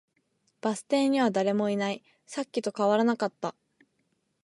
バス停には誰もいない。さっきと変わらなかった。